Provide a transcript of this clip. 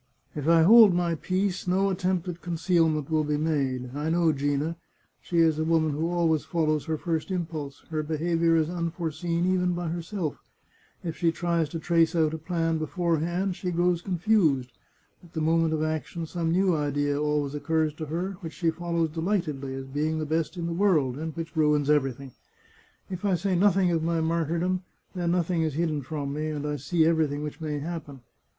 " If I hold my peace, no a.+tempt at concealment will 147 The Chartreuse of Parma be made. I know Gina ; she is a woman who always follows her first impulse ; her behaviour is unforeseen even by her self; if she tries to trace out a plan beforehand, she grows confused; at the moment of action some new idea always occurs to her, which she follows delightedly as being the best in the world, and which, ruins everything. " If I say nothing of my martyrdom, then nothing is hidden from me, and I see everything which may happen.